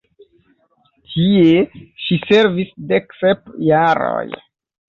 Tie ŝi servis dek sep jaroj.